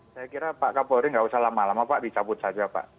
saya kira pak kapolri nggak usah lama lama pak dicabut saja pak